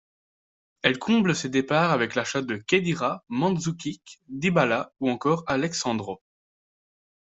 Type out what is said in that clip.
Elle comble ces départs avec l'achat de Khedira, Mandzukic, Dybala ou encore Alex Sandro.